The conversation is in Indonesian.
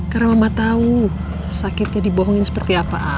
karena mama tahu sakitnya dibohongin seperti apa ma